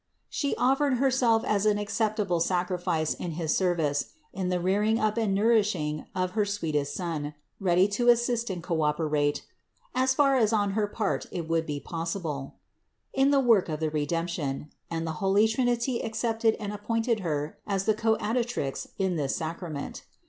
She offered Herself as an acceptable sacrifice in his service, in the rearing up and nourishing THE INCARNATION 123 of her sweetest Son, ready to assist and co operate (as far as on her part it would be possible), in the work of the Redemption; and the holy Trinity accepted and appointed Her as the Coadjutrix in this sacrament.